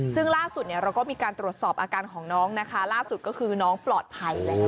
ซึ่งล่าสุดเนี่ยเราก็มีการตรวจสอบอาการของน้องนะคะล่าสุดก็คือน้องปลอดภัยแล้ว